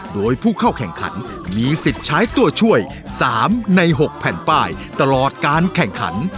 โดยผู้เข้าแข่งขันมีสิทธิ์ใช้ตัวช่วย๓ใน๖แผ่นป้ายตลอดการแข่งขัน